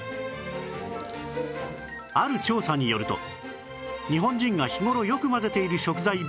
ある調査によると日本人が日頃よく混ぜている食材